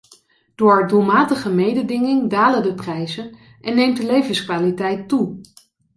Door doelmatige mededinging dalen de prijzen en neemt de levenskwaliteit toe.